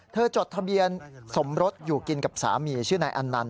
จดทะเบียนสมรสอยู่กินกับสามีชื่อนายอันนันต